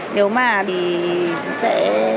nếu mà thì sẽ